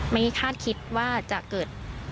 คาดคิดว่าจะเกิด